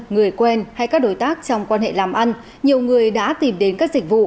người quen hay các đối tác trong quan hệ làm ăn nhiều người đã tìm đến các dịch vụ